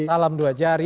salam dua jari